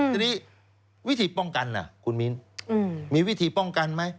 ทีนี้วิธีป้องกันคุณมิ้นมีวิธีป้องกันไหม